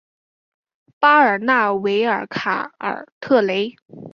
巴尔纳维尔卡尔特雷。